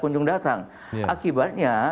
kunjung datang akibatnya